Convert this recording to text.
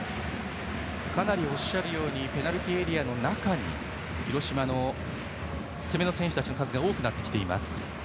かなりおっしゃるようにペナルティーエリアの中に広島の攻めの選手たちの数が多くなってきています。